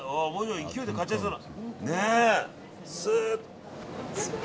勢いで買っちゃいそうな。